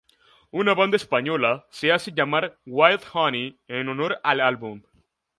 Una banda española se hace llamar Wild Honey en honor al álbum.